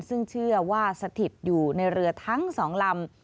ซึ่งเชื่อว่าสถิตอยู่ในเรือทั้ง๒ลำ